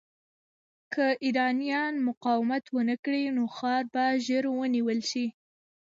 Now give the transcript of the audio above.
که ایرانیان مقاومت ونه کړي، نو ښار به ژر نیول شي.